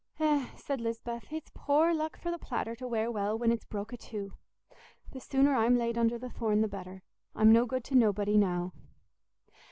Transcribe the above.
"Eh," said Lisbeth, "it's poor luck for the platter to wear well when it's broke i' two. The sooner I'm laid under the thorn the better. I'm no good to nobody now."